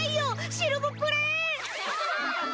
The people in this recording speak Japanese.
シルブプレー！